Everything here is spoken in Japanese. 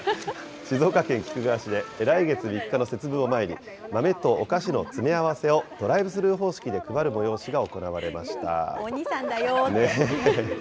静岡県菊川市で、来月３日の節分を前に、豆とお菓子の詰め合わせをドライブスルー方式で配る催しが行われ鬼さんだよーって。